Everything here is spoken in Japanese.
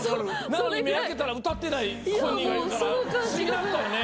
なのに目開けたら歌ってない本人がいるから不思議だったよね。